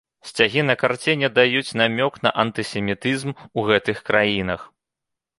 Сцягі на карціне даюць намёк на антысемітызм у гэтых краінах.